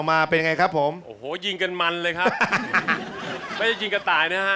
มาเลยเร็วโอ้โหได้มาแล้วนะครับ